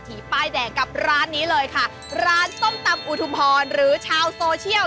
ป้ายแดงกับร้านนี้เลยค่ะร้านส้มตำอุทุมพรหรือชาวโซเชียล